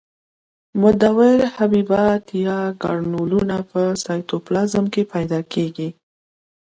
مدور حبیبات یا ګرنولونه په سایتوپلازم کې پیدا کیږي.